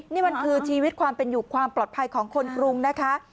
นี่มันคือชีวิตความเป็นอยู่ความปลอดภัยของคนกรุงนะคะ